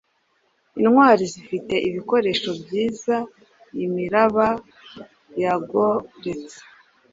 Intwali zifite ibikoresho byiza imiraba yagoretse